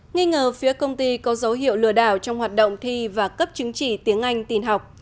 nghi ngờ phía công ty có dấu hiệu lừa đảo trong hoạt động thi và cấp chứng chỉ tiếng anh tin học